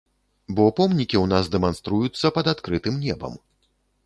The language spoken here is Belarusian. Бо помнікі ў нас дэманструюцца пад адкрытым небам.